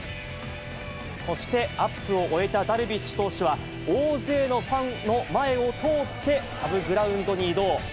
そして、アップを終えたダルビッシュ投手は、大勢のファンの前を通って、サブグラウンドに移動。